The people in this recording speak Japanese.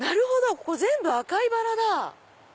ここ全部赤いバラだ。